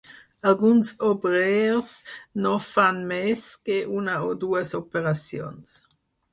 Alguns obrers no fan més que una o dues operacions.